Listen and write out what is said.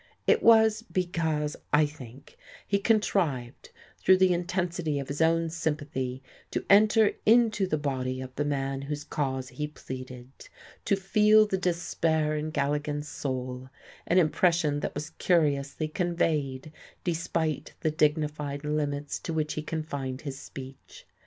It was because, I think, he contrived through the intensity of his own sympathy to enter into the body of the man whose cause he pleaded, to feel the despair in Galligan's soul an impression that was curiously conveyed despite the dignified limits to which he confined his speech.